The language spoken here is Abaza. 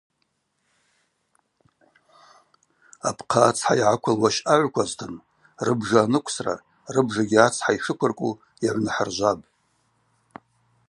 Апхъа ацхӏа йгӏаквылуа щъагӏвквазтын, рыбжа аныквсра, рыбжагьи ацхӏа йшыквыркӏву йагӏвнахӏыржвапӏ.